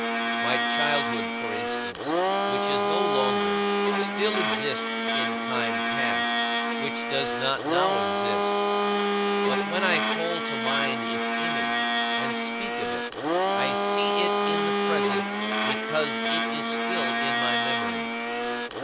My childhood, for instance, which is no longer, still exists in time past, which does not now exist. But when I call to mind its image and speak of it, I see it in the present because it is still in my memory.